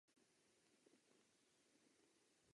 Má to údajně původ ve středověké lovecké tradici.